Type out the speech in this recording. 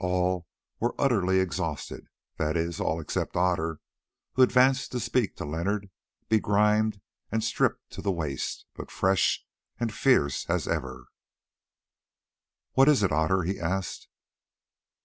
All were utterly exhausted—that is, all except Otter, who advanced to speak to Leonard, begrimed and stripped to the waist, but fresh and fierce as ever. "What is it, Otter?" he asked.